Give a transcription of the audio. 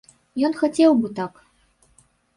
Ён хацеў бы так.